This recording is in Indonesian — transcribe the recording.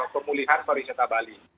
pemulihan perwisata bali